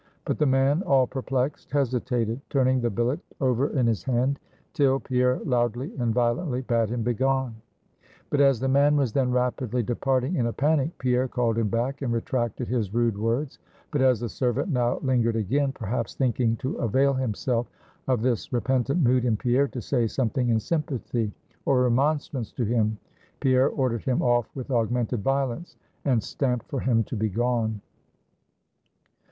But the man, all perplexed, hesitated, turning the billet over in his hand; till Pierre loudly and violently bade him begone; but as the man was then rapidly departing in a panic, Pierre called him back and retracted his rude words; but as the servant now lingered again, perhaps thinking to avail himself of this repentant mood in Pierre, to say something in sympathy or remonstrance to him, Pierre ordered him off with augmented violence, and stamped for him to begone.